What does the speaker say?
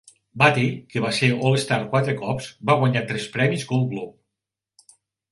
Battey, que va ser All-Star quatre cops, va guanyar tres premis Gold Glove.